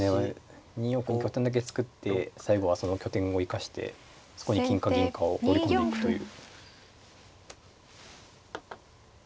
２四歩に拠点だけ作って最後はその拠点を生かしてそこに金か銀かを放り込んでいくという。